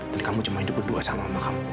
dan kamu cuma hidup berdua sama mama kamu